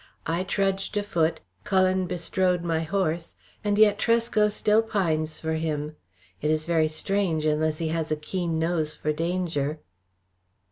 I trudged a foot, Cullen bestrode my horse and yet Tresco still pines for him. It is very strange unless he has a keen nose for danger."